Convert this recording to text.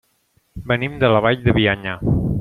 Venim de la Vall de Bianya.